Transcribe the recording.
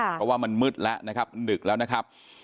เพราะว่ามันมืดแล้วนะครับมันดึกแล้วนะครับ